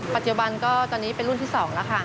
ปัจจุบันก็ตอนนี้เป็นรุ่นที่๒แล้วค่ะ